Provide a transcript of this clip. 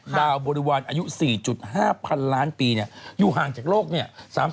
บริวารอายุ๔๕พันล้านปีอยู่ห่างจากโลกเนี่ย